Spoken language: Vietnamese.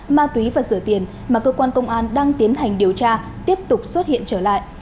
đã sửa tiền mà cơ quan công an đang tiến hành điều tra tiếp tục xuất hiện trở lại